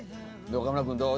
「岡村君どう？」